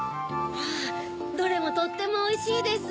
あどれもとってもおいしいです。